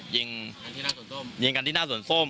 ยิงกันที่หน้าสวนส้ม